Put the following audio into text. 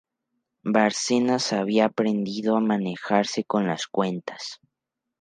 Bárcenas había aprendido a manejarse con las cuentas.